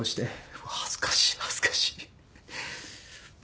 うわ恥ずかしい恥ずかしい。